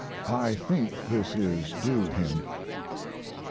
I think this is due him."